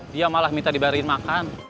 dia malah minta dibayarin makan